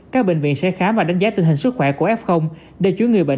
các bệnh viện sẽ khám và đánh giá tình hình sức khỏe của f để chuyển người bệnh